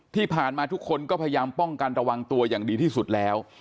ที่ผ่านมาทุกคนก็พยายามป้องกันระวังตัวอย่างดีที่สุดแล้ว